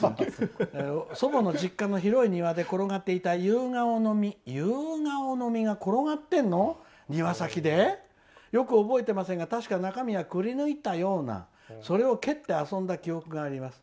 「祖母の実家の広い庭で転がっていた夕顔の実よく覚えてませんが確か、中身をくりぬいたような、それを蹴って遊んだ記憶があります」。